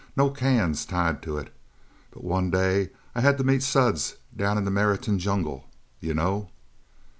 No cans tied to it. But one day I had to meet Suds down in the Meriton Jungle. You know?"